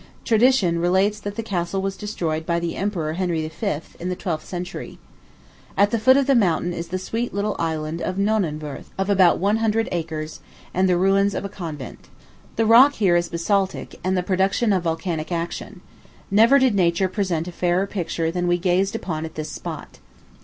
Tradition relates that the castle was destroyed by the Emperor Henry V., in the twelfth century. At the foot of the mountain is the sweet little Island of Nonnenwörth, of about one hundred acres, and the ruins of a convent. The rock here is basaltic, and the production of volcanic action. Never did Nature present a fairer picture than we gazed upon at this spot.